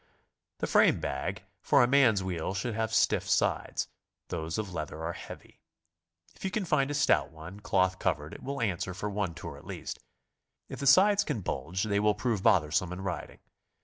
The frame bag for a man's wheel should ha, ve stiff sides. Those of leather are heavy. If you can find a stout one cloth covered, it will answer for one tour at least. If the sides can bulge, they will prove bothersome in riding.